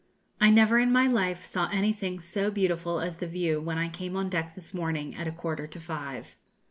I never in my life saw anything so beautiful as the view when I came on deck this morning, at a quarter to five.